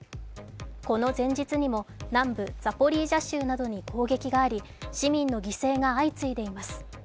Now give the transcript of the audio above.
この前日にも南部ザポリージャ州などに攻撃があり市民の犠牲が相次いでいます。